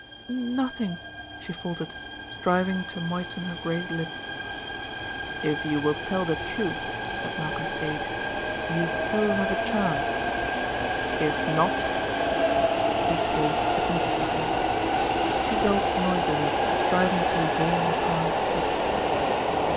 "N nothing," she faltered, striving to moisten her grey lips. "If you will tell the truth," said Malcolm Sage, "you still have a chance. If not"; he paused significantly. She gulped noisily, striving to regain her power of speech.